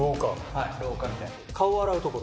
はい廊下みたいな。